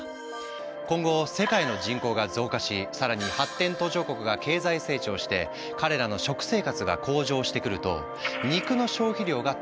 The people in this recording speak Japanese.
今後世界の人口が増加し更に発展途上国が経済成長して彼らの食生活が向上してくると肉の消費量が高くなる。